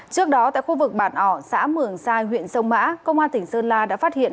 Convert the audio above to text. trước đó tại khu vực bản ỏ xã mường sai huyện sông mã công an tỉnh sơn la đã phát hiện